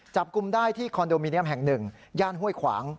จับกลุ่มได้ที่คอนโดมิเนียมแห่งหนึ่งย่านห้วยขวาง